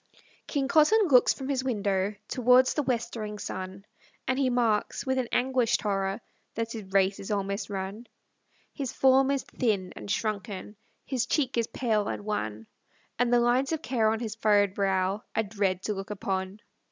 KING COTTON looks from his window Towards the westering sun, And he marks, with an anguished horror, That his race is almost run. His form is thin and shrunken; His cheek is pale and wan; And the lines of care on his furrowed brow Are dread to look upon.